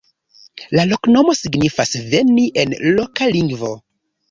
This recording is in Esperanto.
La loknomo signifas "veni" en loka lingvo.